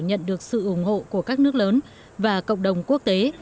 nhận được sự ủng hộ của các nước lớn và cộng đồng quốc tế